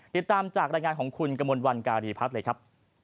ติดตามจากรายงานของคุณกระมวลวันการีพัฒน์เลยครับ